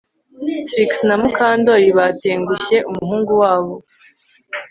Trix na Mukandoli batengushye umuhungu wabo